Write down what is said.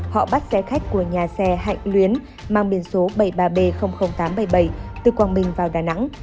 họ bắt xe khách của nhà xe hạnh luyến mang biển số bảy mươi ba b tám trăm bảy mươi bảy từ quảng bình vào đà nẵng